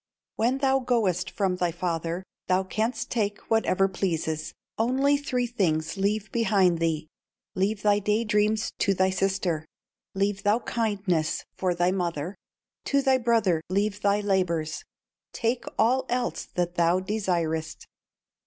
"When thou goest from thy father Thou canst take whatever pleases, Only three things leave behind thee: Leave thy day dreams to thy sister, Leave thou kindness for thy mother, To thy brother leave thy labors, Take all else that thou desirest.